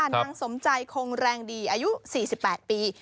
นางสมใจคงแรงดีอายุ๔๘ปี